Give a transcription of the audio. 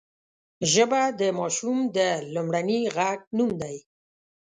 ژبه د ماشوم د لومړني غږ نوم دی